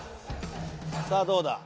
さあどうだ？